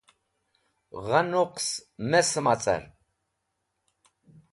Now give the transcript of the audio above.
Gha nuqs me sẽma car.